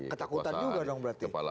ketakutan juga dong berarti